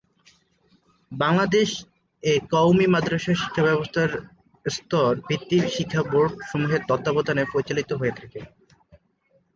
বাংলাদেশ এ কওমি মাদরাসা শিক্ষাব্যবস্থা স্তর ভিত্তিক শিক্ষাবোর্ড সমূহের তত্বাবধানে পরিচালিত হয়ে থাকে।